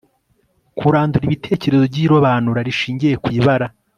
kurandura ibitekerezo by'irobanura rishingiye kw'ibara